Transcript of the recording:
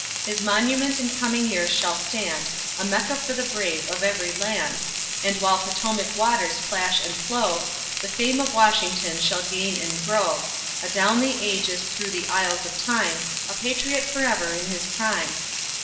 His monument in coming years shall stand A Mecca for the brave of every land, And while Potomac waters flash and flow, The fame of Washington shall gain and grow, Adown the ages through the aisles of time A patriot forever in his prime!